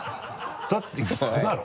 だってウソだろ？